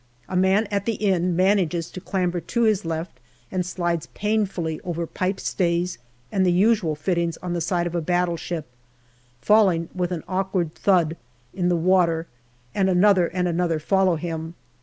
A man at the end manages to clamber to his left and slides painfully over pipe stays and the usual fittings on the side of a battleship, falling with an awkward thud in the 106 GALLIPOLI DIARY water, and another and another follow him.